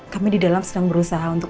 kami di dalam sedang berusaha untuk